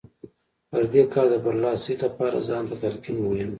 پر دې کار د برلاسۍ لپاره ځان ته تلقين مهم دی.